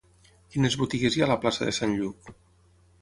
Quines botigues hi ha a la plaça de Sant Lluc?